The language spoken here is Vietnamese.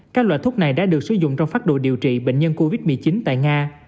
các loại thuốc này đã được sử dụng trong phát đồ điều trị bệnh nhân covid một mươi chín tại nga